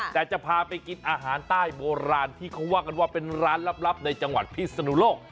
แต่จะพาไปกินอาหารใต้โบราณที่เขาว่ากันว่าเป็นร้านลับในจังหวัดพิศนุโลก